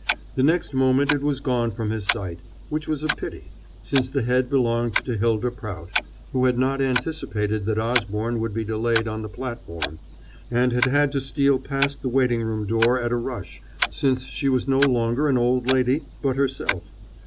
The next moment it was gone from his sight, which was a pity, since the head belonged to Hylda Prout, who had not anticipated that Osborne would be delayed on the platform, and had had to steal past the waiting room door at a rush, since she was no longer an old lady, but herself.